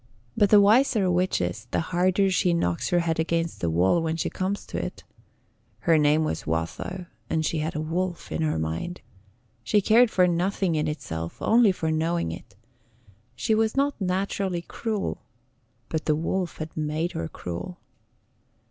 But the wiser a witch is, the harder she knocks her head against the wall when she comes to it. Her name was Watho, and she had a wolf in her mind. She cared for nothing in itself only for knowing it. She was not naturally cruel, but the wolf had made her cruel.